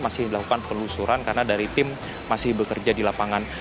masih dilakukan penelusuran karena dari tim masih bekerja di lapangan